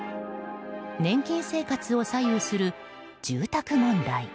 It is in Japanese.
年金生活を左右する住宅問題。